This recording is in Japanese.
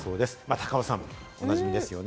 高尾山、おなじみですね。